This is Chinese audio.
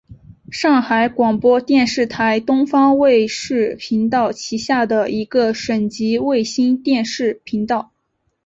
上海广播电视台东方卫视频道旗下的一个省级卫星电视频道。